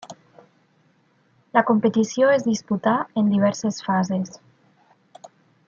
La competició es disputà en diverses fases.